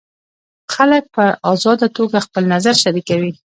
خلک په ازاده توګه خپل نظر شریکوي.